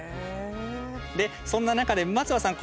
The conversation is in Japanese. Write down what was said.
そんな中で、松葉さん